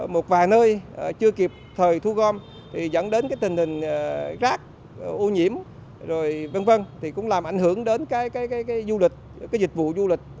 một vài nơi chưa kịp thời thu gom thì dẫn đến cái tình hình rác ô nhiễm rồi v v thì cũng làm ảnh hưởng đến cái du lịch cái dịch vụ du lịch